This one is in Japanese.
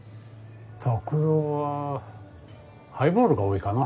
拓郎はハイボールが多いかな。